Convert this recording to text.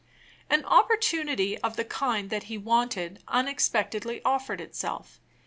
An opportunity of the kind that he wanted unexpectedly offered itself.